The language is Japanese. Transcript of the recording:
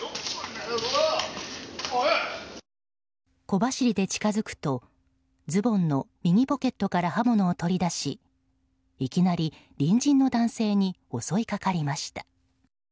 小走りで近づくとズボンの右ポケットから刃物を取り出しいきなり隣人の男性に襲いかかりました。